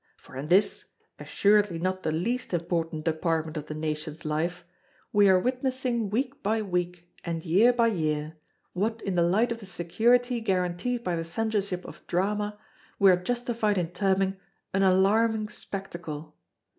For in this, assuredly not the least important department of the nation's life, we are witnessing week by week and year by year, what in the light of the security guaranteed by the Censorship of Drama, we are justified in terming an alarming spectacle.